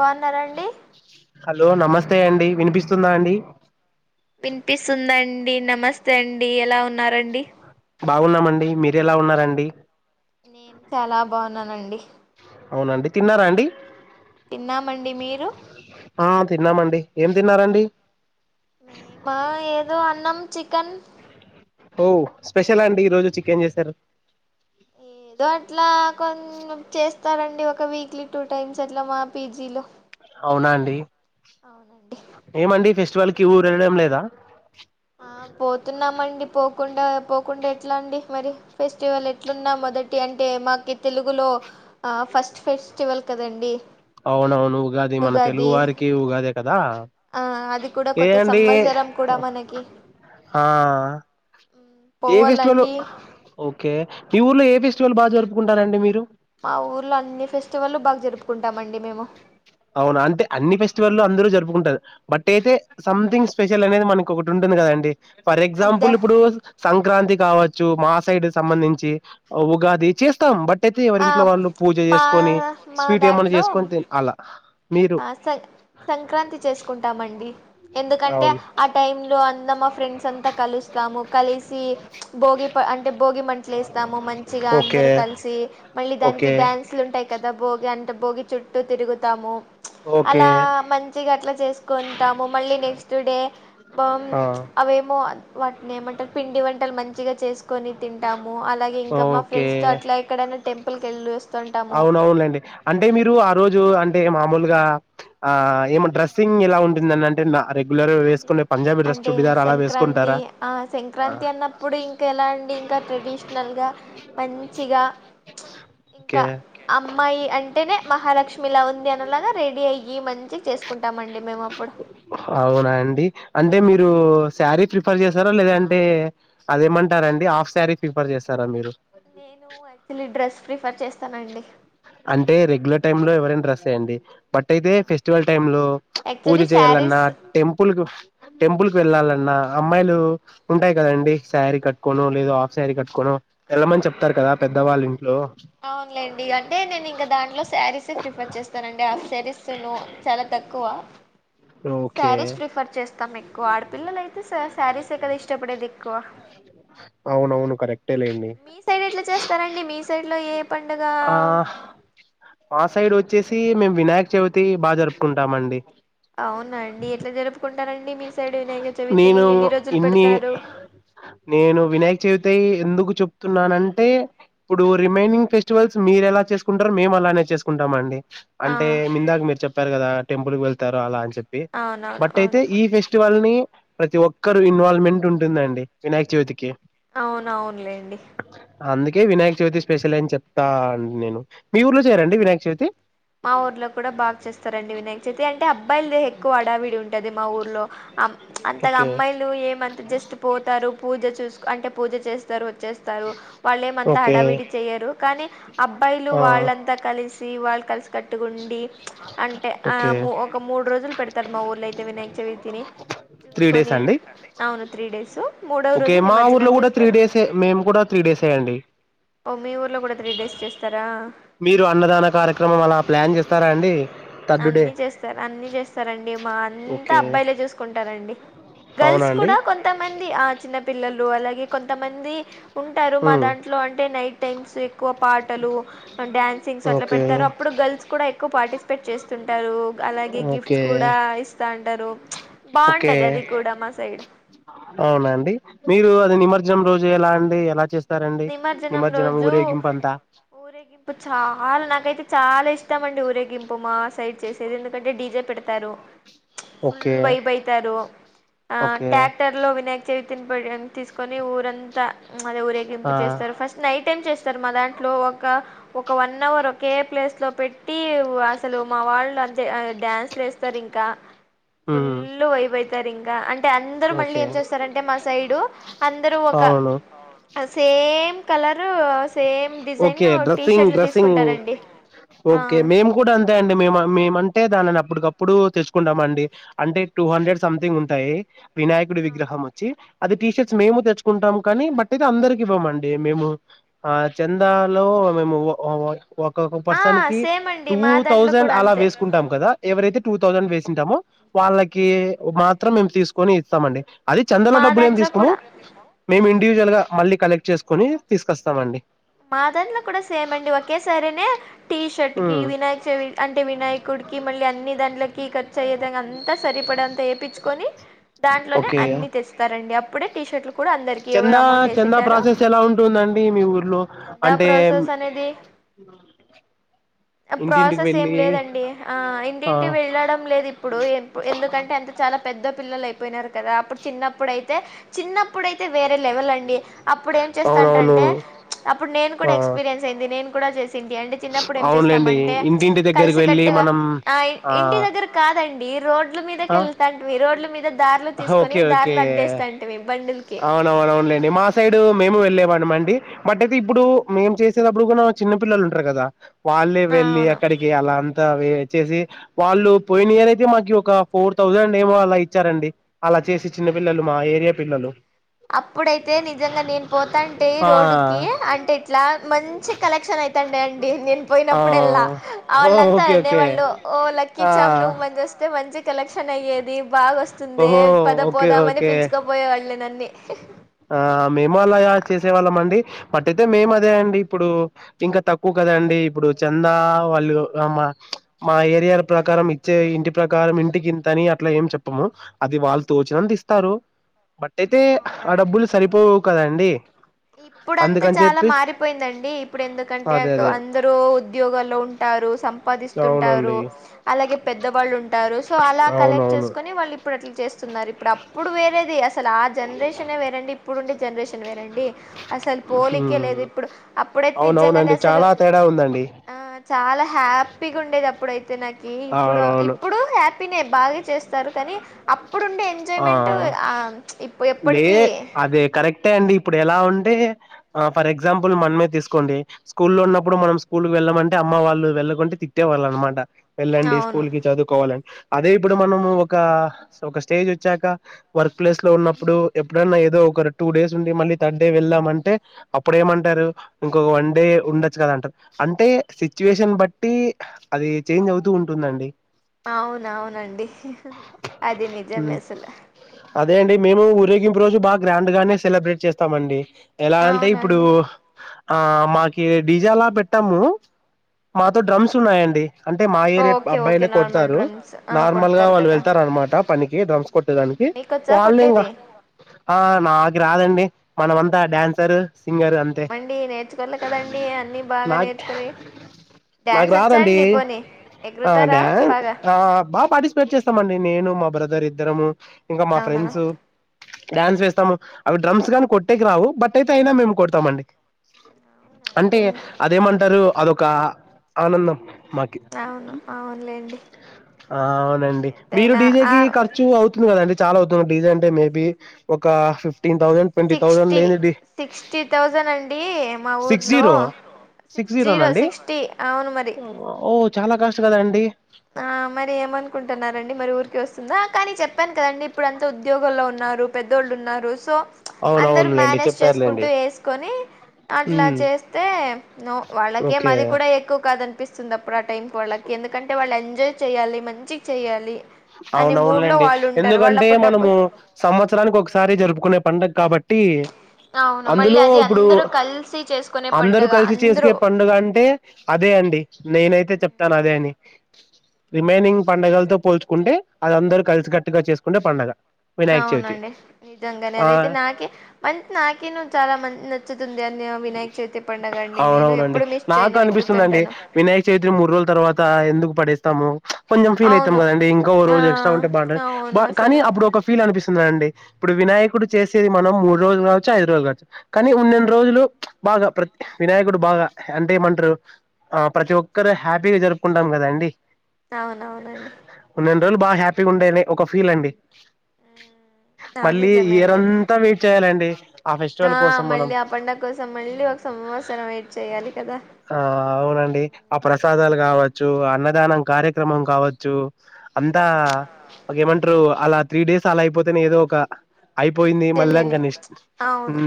బాగున్నారండి హలో నమస్తే అండి వినిపిస్తుందా అండి వినిపిస్తుందం డి నమస్తే అండి ఎలా ఉన్నారం ఆ బాగున్నామండి మీరు ఎలా ఉన్నారండి నేను చాలా బాగున్నానండి అవునండి తిన్నారా అండి తిన్నామండి మీరు ఆ తిన్నామండి ఏం తిన్నారండి మా ఏదో అన్నం చికెన్ ఓ స్పెషల్ అండి ఈ రోజు చికెన్ చేశారు ఏదో అట్లా కొ చేస్తారండి ఒక వీక్లీ టూ టైమ్స్ అట్లా మా పీజీలో అవునా అండి అవునండి ఏమండీ ఫెస్ట్ స్టివల్ కి ఊరు వెళ్ళడం లేదా ఆ పోతున్నామండి పోకుండా పో కుండా ఎట్లా అండి మరి ఫెస్టివల్ ఎట్లున్నా మొదటి అంటే మాకు తెలుగులో ఫస్ట్ ఫెస్టివల్ కదండి అవునవును ఉగాది మన తెలుగు వారికి ఉగాదే కదా ఆ అది కూడా ఏ కొత్త అండి సంవత్సరం కూడా మనకి ఆ ఏ ఫెస్టివల్ పోవాలండి ఓకే మీ ఊర్లో ఏ ఫెస్టివల్ బాగా జరుపుకుంటన్నారండి మీరు మా ఊర్లో అన్ని ఫెస్టివల్లు బాగా జరుపుతయి కుంటామండి మేము అవునా అంట అన్ని ఫెస్టివల్లు అందరు జరుపుకుంటారు బట్ అయితే సంథింగ్ స్పెషల్ అనేది మనకు ఒకటి ఉంటుంది కదా అండి ఫర్ అద్ద ఎగ్జాంపుల్ ఇప్పుడు సంక్రాంతి కావచ్చు మా సైడ్ సంబంధించి ఉగాది చేస్తాం బట్ అయితే ఎవరి ఆ ఇంట్లో వాళ్ళు పూజ మా చేసుకొని మా స్వీట్ ఏమన్నా దాంట్లో చేసుకొని తిన్ అలా మీరు ఆ సం సంక్రాంతి చేసుకుంటామండి ఎందుకంటే అవును. ఆ టైంలో అం అంతా మా ఫ్రెండ్స్ అంతా కలుస్తాము కలిసి భోగి ప అంటే భోగి మంటలేస్తాము మంచిగా ఓకే. అందరు కలిసి మళ్ళీ ఓకే. దానికి డాన్సులుంటాయి కదా భోగి అంటే భోగి చుట్టూ తిరుగుతాము ఓకే. అలా మంచిగా అట్లా చేసుకుంటాము మళ్ళీ నెక్స్ట్ డే బమ్ ఆ! అవేమో వాటిని ఏమంటారు పిండి వంటలు మంచిగా చేసుకుని తింటాము అలాగే ఇంకా మా ఓకే. ఫ్రెండ్స్ తో అట్లా ఎక్కడైనా టెంపుల్ కి వెళ్ళి వేస్తుంటాము అవునవునులేండి. అంటే మీరు ఆ రోజు అంటే మామూలుగా ఆ ఏమో డ్రెస్సింగ్ ఎలా ఉంటుందని అంటే నా రెగ్ బుల్లెరా వేసుకొని పంజాబీ డ్రెస్ అంటే చుడిదార్ అలా వేసుకొని సంక్రాంతి అది ఆ సంక్రాంతి అన్నప్పుడు ఇంకా ఎలా అండి ఇంకా ట్రెడిషనల్గా మంచిగా ఓకే ఇంకా అమ్మాయి అంటేనే మహాలక్ష్మిలా ఉంది అనేలాగా రెడీ అయి చేసుకుంటామండి మేము అప్పుడు అవునా అండి అంటే మీరు శారీ ప్రిఫర్ చేస్తారా లేదంటే అదేమంటారండి హాఫ్ శారీ ప్రిఫర్ చేస్తారా మీరు నేనూ యాక్చువల్లీ డ్రెస్ ప్రిఫర్ చేస్తానండి. సే అండి బట్టైతే స్టివల్ టైంలో పూజ యాక్చువల్లీ చేయ్యాలన్నా, శారీస్ టెంపుల్ కు టెంపుల్ కు వెల్లాల అన్నా అమ్మాయిలు, ఉంటాయి కదండి శారీ కట్టుకొనో, లేదు హాఫ్ శారీ కట్టుకొనో ఎల్లమని చెప్తారు కదా పెద్దవాల్లు. అవునులేండి అంటే నేను ఇంక దాంట్లో శారీసే ప్రిఫర్ చేస్తానండి. ఆ శ్ శారీస్ తనూ చాలా తక్కువ. ఓకే శారీస్ ప్రిఫర్ చేస్ తం ఎక్కువ ఆడపిల్లలయితే శ శారీసే కదా ఇష్టపడేది ఎక్కువ. అవునవును కరెక్టే లేండి మీసైడ్ ఎట్లా చేస్తారండి మీస్ సైడ్లో ఏ పండుగ ఆహ్ ఆ సైడ్ ఒ చ్చేసీ మేం వినాయక చవితి బా జరుపుకుంటామండి. అవున అండి ఎట్లా జరుపుకుంటారం నేను ఇన్ని, పెడతారు నేను వినాయక చవితయి ఎందుకు చెప్తున్నానంటే ఇప్పుడూ రిమైనింగ్ ఫెస్టివల్స్ మీరెలా చేస్కుంటరో మేము అలానే చేస్కుంటాం అండి. ఆ అంటే మిందాక మీరు చెప్పారు కదా. టెంపుల్ కి వెళ్తారు అలాంచ్ చెప్పి అవునవును బట్టే తె అవును ఈ ఫెస్టివల్ నీ ప్రతి ఒక్కరు ఇన్వాల్వ్మెంట్ ఉంటుందండి వినాయక చవితికి. అవునఅవునులేండి. కే వినాయక చవితి స్పెషల్ అని చెప్తా అం నేను. మీ ఊర్లో చేయరాండి వినాయక చవితి? మాఊర్లో కూడా బాగ చేస్తారండి వినాయక చవితి అంటే అబ్ అబ్బాయిలదే ఎక్కువ హడావిడి ఉంటది మా ఊర్లో. అ త్చ్ అంతగా ఓకే అమ్మాయిలు ఏమంత జస్ట్ పోతారు పూజ చూస్ అంటే పూజ చేస్తారో చేస్తారు. వాళ్లు ఏమంత ఓకే హడవిడి చెయరు కానీ అబ్బాయిలు ఆ వాళ్లంతా కలిసి సీ వాళ్లు కల్స్ తట్టుగుండీ త్చ్ అంటె ఆ ఓకే ము ఒక మూడు రోజుల్ పెడతరు మాఊర్లో అయితే వినాయక చవితినని. త్రీ డేస్ చూస్కొని, అండి అవును త్రీ డేస్. సొ ఓకే మా ఊర్లో కూడా త్రీ డేసె మేము కూడా త్రీ డేసేయంండి ఓ మీ ఊర్లో కూడా త్రీ డేస్ చేస్తార ఆ మీరు అన్నదాన కార్యక్రమం అలా ప్లాన్ చేస్తారా అండి థర్డ్ డే అన్ని చేస్తారు అన్ని చేస్తారండి మా అంతా ఓకే అబ్బాయిలే చూసుకుంటారండి అవునా గర్ల్స్ అండి కూడా కొంతమంది ఆ చిన్న పిల్లలు అలాగే కొంతమంది ఉంటారు మా ఉమ్ దాంట్లో అంటే నైట్ టైమ్స్ ఎక్కువ పాటలు డ్యాన్సింగ్స్ అట్లా ఓకే పెడతారు అప్పుడు గర్ల్స్ కూడా ఎక్కువ పాటిస్ చేస్తుంటారు అలాగే ఓకే గిఫ్ట్స్ కూడా ఇస్ తంటరు ఓకే అవునా అండి మీరు అది నిమజ్జనం రోజు ఎలా అండి ఎలా చేస్ నిమజ్జనం రోజు ఊరేగింపు చాలా నాకైతే చాలా ఇష్ తమండి ఊరగింపు మా సైడ్ చేసే ఎందుకంటే డిజె పెడతారు ఫుల్ ఓకే వైబ్ అయితారు ఆ ఓకే టాక్టర్ లో వినాయక చవి తింపడం తీసుకొని ఊరంతా మది ఆ ఊరేగింపుది చేస్తారు ఫస్ట్ నైట్ ఏం చేస్తారు మా దాంట్లో ఒక ఒక వన్ అవర్ ఒకే ప్లేస్ లో పెట్ టీ అసలు మా వాళ్ళు అం తె ఆ డ్యాన్స్లు వస్తారు ఇంకా ఉమ్ ఫుల్ వయిబయితారు ఇంకా అంటే అందరు మళ్ళీ ఓకే ఏం చేస్తారంటే మా సైడు అందరు ఒక అవును as same colour same design okay T dressing షర్ట్లు డ్రస్సింగ్ తీసుకుంటారండి ఆ ఓకే మేము కూడా అంతే అండి మేమన్ మేమంత అంటే దానిని అప్పటికప్పుడు తెచ్చుకుంటామ అండి అంటే టూ హండ్రెడ్ సంథింగ్ ఉంటాయి వినాయకుడి అవునా విగ్రహం ఒచ్చి అది టీషర్ట్స్ మేము తెచ్చుకుంటాము కానీ బట్ది ఐతే అందరికి ఇవ్వమండి మేము ఆ చందాలో మేము ఒ ఒ ఒక్కొక్క ఆ పర్సన్ కి సేమ్ అండి టూ మా దాంట్లో థౌసండ్ కూడా అలా అంతే వేసుకుంటాం కదా ఎవరైతే టూ థౌండ్ వేసింటాము వాళ్ళకి మాత్ త్రం మేము తీసుకొని ఇస్తామండి. అది చందల మా డబ్బులు ఏం దాంట్లో తీసుకోము, కూడా మేము ఇన్ డివిజువల్గా మల్లి కలెక్ట్ చేస్కొనీ తీసుకొస్తమండి. మా దాంట్లో కూడ సేమ్ అండి, ఒకేసారినే టీ షర్ట్ కి హ్మ్. వినాయక చవి అంటే వినాయకుడికి మళ్ళీ అన్ని దాంట్లకి ఖర్చుయ్యేధంగా అంతా సరిపడ అంత ఏపిచ్చ్కొని దాంట్లోనే ఓకే అన్ని తెస్తారండి. అప్ ఇప్పుడు టీషట్లు చందా, చంద ప్రాసెస్ ఎలా ఉంటుందండి మీ ఊర్లో? చందా అంటే ప్రాసెస్ అనేది ఆ ఇంటింటికి ప్రాసెస్ ఏం వెళ్ళి లేదండి. ఆ ఆ ఇంటింటి వెళ్ళడం లేదిప్పుడు ఇపు ఎందుకంటే అంత చాలా పెద్ద పిల్లలు అయిపోయినారు కదా, అప్పుడు చిన్నప్పుడయితే చిన్నప్ ప్పుడైతే వేరే లెవెల్ అండి, అప్పుడు ఏం అవునవును చేస్తంటారంటే? అప్పుడు నేను కూడ ఆ ఎక్స్పీరియన్స్ అయింది నేను. కూడా చేస్ తింటి అంటే చిన్నప్పుడు ఏం అవునులేండి చేస్తామంటే ఇంటింటి దగ్గరికి కలిసి వెళ్ళి కట్టుగా మనం ఆ ఇ ఇంటి దగ్గర కాదండి, రోడ్ల మీదా ఆ కెళ్తాంటిమి. రోడ్ల మీద దార్లు తీసుకొని దార్లు అడ్డేస్తామ్టిమి బండిల్ అవునవునవున్లేండి, మా సైడ్ మేము వెళ్లేే వాల్ న మండి, బట్ అయితే ఇప్పుడు మేం చేసేదప్పుడు కూడా చిన్న పిల్లలు ఉంటరు కదా? వాళ్ళే ఆ, వెళ్ళి అవును అక్కడికి, అలా అంతా వే చ్చేసి వాళ్ళు పోయిన ఇయర్ అయితే, మాకి ఒక ఫోర్ థౌసండ్ ఏమో అలా ఇచ్చారండి అలా చేసి చిన్న పిల్లలు, మా ఏరియా పిల్లలు. అప్పుడైతే నిజంగా నేను పోతాంటే ఆ రోడ్డుకి, అంటిట్లా మంచి కలెక్షన్ అయితాండే అండి నేను ఆ పోయినప్పుడల్లా. ఓహో ఆళ్ళంతా ఓకే ఓకే అనేవాళ్ళు ఓ లక్కీ ఆ చమ్ నువ్వు మంచి వస్తే మంచి. కలెక్షన్ అయ్యేది బాగొస్తుందే, ఓహో ఓకే పదపోదామని ఓకే పిలుచుకపోయేవాళ్ళు. నేనన్నీ. ఆ మేము అలాగా చేసేవాళ్ళమండి. బట్ అయితే మేము అదే అండి ఇప్పుడు ఇంకా తక్కువ కదండి, ఇప్పుడు చందా వాళ్ళు మా మా ఏరియాల ప్రకారం ఇచ్చే ఇంటి ప్రకారం ఇంటికి ఇంతని అట్లా ఏం చెప్పము, అది వాళ్ళు తోచినంత ఇస్తారు. బట్ అయితే ఆ డబ్బులు సరిపోవు కదండి? ఇప్పుడంటె అందుకని చాల చెప్పి మారిపోయిందండి, ఇప్పుడెన్దుకంటే అదే అక్ అదే అందరూ ఉద్యోగాల్లో ఉంటారు. సం పాదిస్తుంటారు, అవునండి అలాగే పెద్దవాళ్ళు ఉంటారు. సో అలా కలెక్ట్ అవునవును చేసుకొని, వాళ్ళిప్పుడు అట్ల చేస్ స్తున్నారు ఇప్పుడు, అప్పుడు వేరేది అస్ అసలా జనరేషనే వేరండి, ఇప్పుడు ఉండే జనరేషన్ వేరండి. అసలు పోలికే లేదు ఉమ్. ఇప్పుడు, అప్పుడైతే నిజ్జంగండి అవునవునండి అసలు చాలా తేడా ఉందండి ఆ హ్యాపీగా ఉండేది అప్పుడు అయితే నాకు ఈ ఇప్పుడు అవునవును ఇప్పుడు హ్యాపీనే బాగా చేస్తారు కానీ అప్పుడుండే ఆ ఎంజాయ్మెంట్ ఆ ఇప్పు లే ఎప్పడికి అదే కరెక్టే అండి ఇప్పుడు ఎలా ఉంటే ఫర్ ఎగ్జాంపుల్ మనమే తీసుకోండి స్కూల్లో ఉన్నప్పుడు మనం స్కూల్కి వెళ్ళమంటే అమ్మ వాళ్ళు వెళ్ళకుంటే తిట్టే వాళ్ళ అనమాట వెళ్ళండి స్కూల్ అవును. కి చదువుకోవాలని అదే ఇప్పుడు మనము ఒక ఒక స్టేజ్ వచ్చాక వర్క్ ప్లేస్ లో ఉన్నప్పుడు ఎప్పుడైన్నా ఏదో ఒక టూ డేస్ ఉండి మళ్ళీ థర్డ్ డే వెళ్దామంటే అప్పుడేమంటారు ఇంకొక వన్ డే ఉండచ్చు కదా అంటారు అంటే సిచ్యుయేషన్ బట్టి అది చేంజ్ అవు తూ ఉంటుందండి అవున అవునండి అది నిజమేసలు అదే అండి మేము ఊరేగింపు రోజు బాగా గ్రాండ్ గానే సెలబ్రేట్ చేస్తామండి ఎలా అంటే ఇప్పుడు అవునండి ఆ మాకి డీజెలా పెట్టాము మాతో డ్రమ్స్ ఉన్నాయండి అంటే మాయ ఓకే ఓకే అబ్బాయిలే నార్మల్ కొడతారు డ్రమ్స్ ఆ నార్మల్ గా కొడతారు వాళ్ళు కదా వెళ్తారు అనమాట పనికి డ్రమ్స్ కొట్టేదానికి మీకొచ్చా వాళ్ళే ఇంగ కొట్టేది ఆ నాకు రాదండి మనమంతా డాన్సర్ సింగర్ అంతే ఏమండి నేర్చుకోవాలి కదండి అన్ని బాగా నాక్ నేర్చుకుని నాకు డ్యాన్స్ వచ్చా రాదండి అండి పోనీ ఎగురుతారా డ్యాన్స్ బాగా ఆ బాగా పార్టిసిపేట్ చేస్తామండి నే నేను మా బ్రదర్ ఇద్దరము ఇంకా మా అవునా ఫ్రెండ్స్ డ్యాన్స్ వేస్తాము అవి డ్రమ్స్ గానీ కొట్టేకి రావు బట్ అయితే అయినా మేము కొడతామండి అంటే అవునండి అదేమంటారు అదొక ఆనందం మాకి అవును అవునులేండి ఆ అవునండి మీరు ఎంతైనా ఆ డీజేకి ఖర్చు అవుతుంది కదం చాలా అవుతుంది డీజే అంటే మేబి ఒక ఫిఫ్ సిక్స్టీ సిక్స్టీ థౌజండ్ అండి మా సిక్స్ ఊర్లో జీరో సిక్స్ జీరోనా జీరో అండి సిక్స్టీ అవును మరి చ్చు కద అండి ఆ మరి ఏమనుకుంటున్నరండి మరి ఊరికె వస్తుందా కానీ చెప్పాను కదండి ఇప్పుడు అంతా ఉద్యోగంల్లో ఉన్నారు పెద్దోళ్ళు ఉన్నారు సో అందరు అవునవునులేండి మ్యానేజ్ చేసుకుంటూ చెప్పారులేండి ఎసుకొని అట్లా ఉమ్ చేస్తే నో ఓకే వాళ్ళకేమది కూడా ఎక్కువ కాద పిస్తుంది అప్పుడు ఆ టైం వాళ్ళకి ఎందుకం టే వాళ్ళు ఎంజాయ్ చేయాలి మంచిగ చేయాలి అనే మూడ్లో అవునవునులేండి వాళ్ళు ఉంటారు వాళ్ళు ఎందుకంటే అప్పుడు మనము డబ్బులు సంవత్సరానికి ఒకసారి జరుపుకునే పండుగ కాబట్టి అవును మళ్ళీ అందులో అది ఇప్పుడు అందరూ కలిసి చేసుకునే అందరు పండుగ కలిసి చేసుకే అందరూ పండుగ అంటే అదే అండి నేనైతే చెప్తాను అదే అని రిమైనింగ్ పండగలతో పోల్ కుంటే అది అందరు కలిసికట్టుగా చేసుకుంటే పండగ వినాయక చవితి అవునండి నిజంగానే ఆ అదయితే నాకే మంచి నాకే చాలా మంచి నచ్చుతు అవునవునండి ఎప్పుడు మిస్ నాకు చేయను అనిపిస్తుందిండి వెళ్ళుతుంటాను వినాయక చవిత్ర మూడు రోజుల తర్వాత ఎందుకు పడేస్తాము కొంచెం ఫీల్ అయితం అవును కదా అండి ఇంకా ఆ రోజు ఎక్స్ట్రా ఉంట బాగుండ అవును కానీ అసలు అప్పుడు ఒక ఫీల్ అనిపిస్తుంది ఇప్పుడు వినాయకుడు చేసేది మనం మూడు రోజులు కావచ్చు ఐదు రోజులు కావచ్చు కానీ ఉన్నెండు రోజులు బాగా ప్రతి వినాయకుడు బాగా అంటే ఏం అంటారు ఆ ప్రతి ఒక్కరు హ్యాపీగా జరుపుకుంటాం కదా అండి అవునవునండి రోజు బా హ్యాపీగా [unintelligible] ఒక ఫీల్ అండి ఆ మళ్ళీ నిజమే అండి అది ఇయరంతా వెయిట్ చేయాలండి అ ఆ మళ్ళీ ఆ పండగ కోసం మళ్ళీ ఒక సంవత్సరం వెయిట్ చేయాలి కదా ఆ అవునండి ఆ ప్రసాదాలు కావచ్చు అన్నదానం కార్యక్రమం కావచ్చు అంతా [unintelligible] మంటారు అలా త్రీ డేస్ అలా అయిపోతేనే ఏదో ఒక అయిపోయింది మళ్ళ ఇగ తెలియని నెక్స్ట్ అవును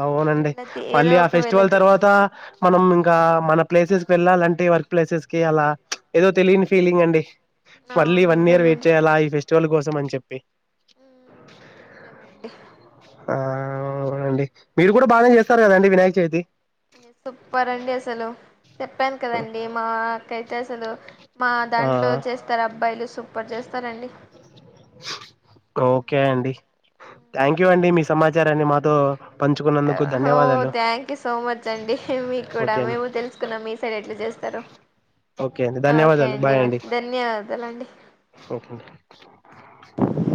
అవునండి వెళతి ఏదో మళ్ళీ ఆ ఒక ఫెస్టివల్ వెళతి తర్వాత మనం [unintelligible] మన ప్లేసెస్ కి వెళ్ళాలంటే వర్క్ ప్లేసెస్ కి అలా ఏదో తెలియని ఫీలింగ్ అండి అవును మళ్ళీ వన్ ఇయర్ వెయిట్ నిజమండి చేయ్యాలా ఈ ఫెస్టివల్ కోసం [unintelligible] చెప్పే [unintelligible] అవ అవునండి మీరు కూడా బానే చేస్తారు కదండి వినాయక చవితి సూప్పర్ అండి అసలు చెప్పాను కదండి మాకైతే అసలు మా ఆ దాంట్లో చేస్తారు అబ్బాయిలు సూపర్ చేస్తారండి ఓకే అండి థ్యాంక్ యూ అండి మీ సమాచారాన్ని మాతో పంచుకున్నందుకు ఓ ధన్యవాదాలు థ్యాంక్ యూ సో మచ్ అండి మీ కూడా ఓకే అండి మేము తెలుసుకున్నాం మీ సైడ్ ఎట్లా చేస్తారు ఓకే అండి ఓకే ధన్యవాదాలు అండి బాయ్ మరి ధన్యవాదాలు [unintelligible]